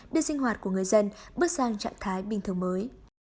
đưa sinh hoạt của người dân bước sang trạng thái bình thường mới